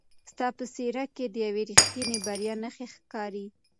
ستا په څېره کې د یوې رښتینې بریا نښې ښکاري.